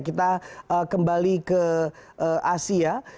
kita kembali ke asia